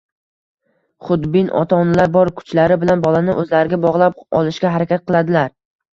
Xudbin ota-onalar bor kuchlari bilan bolani o‘zlariga bog‘lab olishga harakat qiladilar.